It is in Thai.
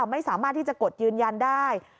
ไม่สามารถที่จะกดยืนยันได้